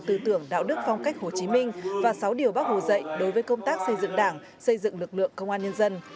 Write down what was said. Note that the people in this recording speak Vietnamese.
tư tưởng đạo đức phong cách hồ chí minh và sáu điều bác hồ dạy đối với công tác xây dựng đảng xây dựng lực lượng công an nhân dân